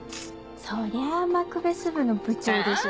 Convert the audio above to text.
そりゃマクベス部の部長でしょ。